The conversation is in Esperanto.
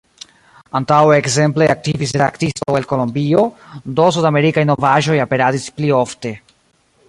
Antaŭe ekzemple aktivis redaktisto el Kolombio, do sudamerikaj novaĵoj aperadis pli ofte.